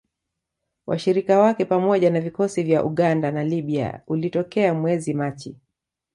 Washirika wake pamoja na vikosi vya Uganda na Libya ulitokea mwezi Machi